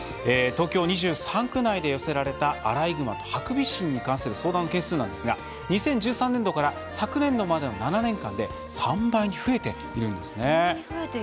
東京２３区内で寄せられたアライグマとハクビシンに関する相談件数なんですが２０１３年度から昨年度までの７年間で３倍に増えているんですね。